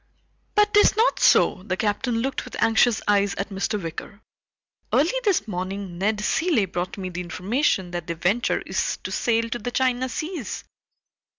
"But 'tis not so." The Captain looked with anxious eyes at Mr. Wicker. "Early this morning Ned Cilley brought me the information that the Venture is to sail to the China seas."